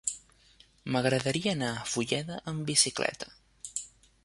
M'agradaria anar a Fulleda amb bicicleta.